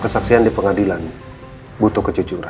kesaksian di pengadilan butuh kejujuran